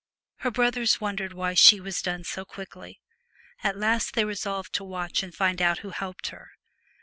Her brothers wondered why she was done so quickly. At last they resolved to watch, and find out who helped her.